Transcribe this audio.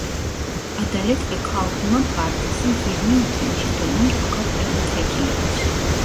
Adalet ve Kalkınma Partisi yirmi ikinci dönem Tokat milletvekilidir.